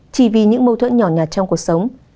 chỉ vì những mâu thuẫn nhỏ nhạt trong cuộc sống